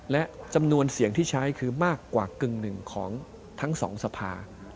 และจำนวนเสียงที่ใช้คือมากกว่ากึ่งหนึ่งของทั้งสองสภา